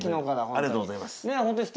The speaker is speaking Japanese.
ありがとうございます。